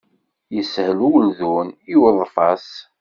Yeshel uldun i uḍfas.